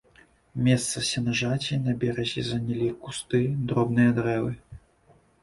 Месца сенажаці на беразе занялі кусты, дробныя дрэвы.